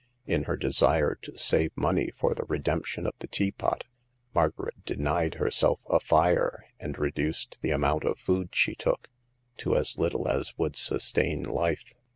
In her desire to save money for the redemption of the teapot, Margaret denied herself a fire, and reduced the amount of food she took, to as little as would sustain life.